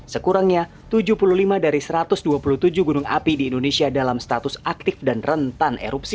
sekurangnya tujuh puluh lima dari satu ratus dua puluh tujuh gunung api di indonesia dalam status aktif dan rentan erupsi